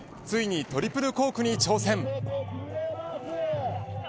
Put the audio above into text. ついにトリプルコークに挑戦。